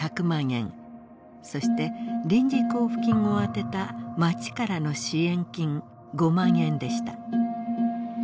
そして臨時交付金をあてた町からの支援金５万円でした。